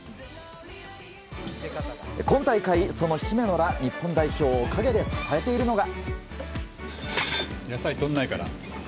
今大会、姫野ら日本代表を陰で支えているのが。